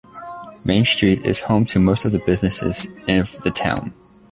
Main Street is home to most of the businesses of the town.